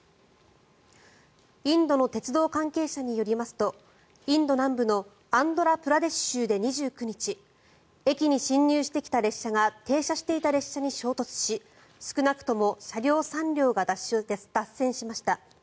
インドの鉄道関係者によりますとインド南部のアンドラプラデシュ州で２９日駅に進入してきた旅客列車が衝突し少なくとも車両３両が脱線しました。